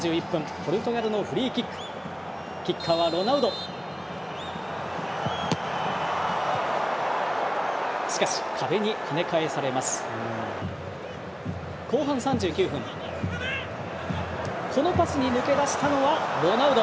ポルトガルのキッカーはロナウド。